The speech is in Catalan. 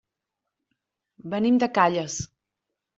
Venim de Calles.